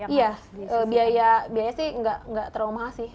iya biaya sih nggak terlalu mahal sih